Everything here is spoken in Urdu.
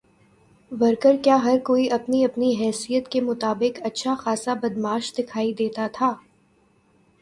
ورکر کیا ہر کوئی اپنی اپنی حیثیت کے مطابق اچھا خاصا بدمعاش دکھائی دیتا تھا۔